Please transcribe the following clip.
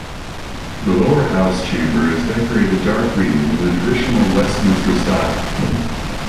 The lower house chamber is decorated dark green in the traditional Westminster style.